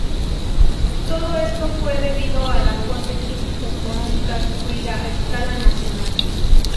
Todo esto fue debido a la fuerte crisis económica sufrida a escala nacional.